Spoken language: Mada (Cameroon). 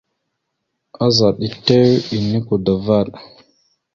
Azaɗ etew enikwada enne.